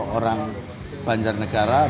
makan banyak hari saya